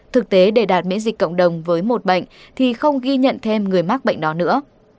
thực tế để đạt miễn dịch cộng đồng với một bệnh thì không ghi nhận thêm người mắc bệnh đó nữa